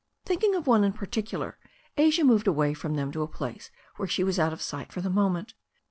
Thinking of one in particular, Asia moved away from them to a place where she was out of sight for the mo ment.